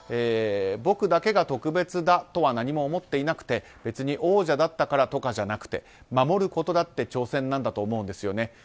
僕だけが特別だとは何も思っていなくて、別に王者だったからとかじゃなくて守ることだって挑戦なんだと思うんですよね。